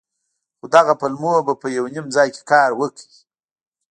خو دغو پلمو به په يو نيم ځاى کښې کار وکړ.